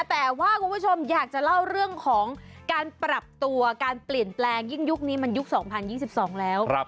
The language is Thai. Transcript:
แต่ว่าคุณผู้ชมอยากจะเล่าเรื่องของการปรับตัวการเปลี่ยนแปลงยิ่งยุคนี้มันยุค๒๐๒๒แล้ว